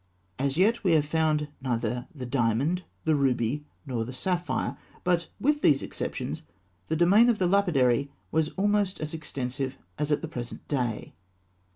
As yet we have found neither the diamond, the ruby, nor the sapphire; but with these exceptions, the domain of the lapidary was almost as extensive as at the present day.